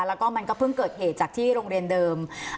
แล้วก็มันก็เพิ่งเกิดเหตุจากที่โรงเรียนเดิม